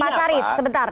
pak arief sebentar